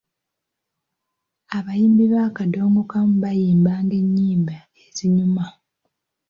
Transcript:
Abayimbi ba kaddongokamu bayimbanga ennyimba ezinyuma.